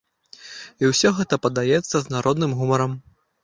І ўсё гэта падаецца з народным гумарам.